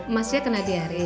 masya kena diari